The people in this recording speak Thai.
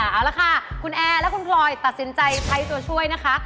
เอาละค่ะคุณแอร์และคุณพลอยตัดสินใจใช้ตัวช่วยนะคะ